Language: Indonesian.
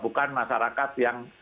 bukan masyarakat yang